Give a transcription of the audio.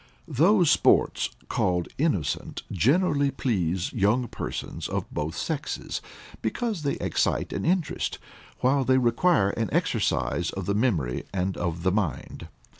_ Those sports, called innocent, generally please young persons of both sexes, because they excite an interest, while they require an exercise of the memory and of the mind.